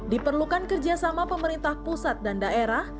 diperlukan kerjasama pemerintah pusat dan daerah